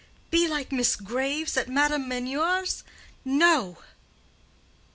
be like Miss Graves at Madame Meunier's? No."